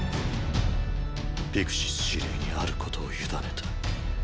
ピクシス司令にあることを委ねた。